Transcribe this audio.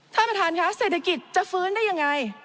ท่านประธานค่ะเศรษฐกิจจะฟื้นได้ยังไง